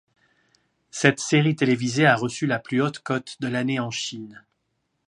Cette série télévisée a reçu la plus haute cote de l'année en Chine.